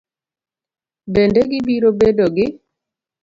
Bende gibiro bedo gi